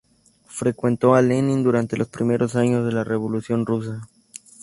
Frecuentó a Lenin durante los primeros años de la Revolución rusa.